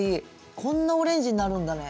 こんなオレンジになるんだね。